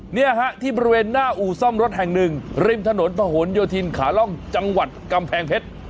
เนี่ยฮะที่บริเวณหน้าอู่ซ่อมรถแห่งหนึ่งริมถนนพะหนโยธินขาล่องจังหวัดกำแพงเพชร